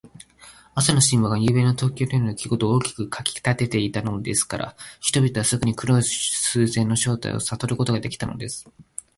朝の新聞が、ゆうべの東京でのできごとを大きく書きたてていたものですから、人々はすぐ黒い風船の正体をさとることができたのです。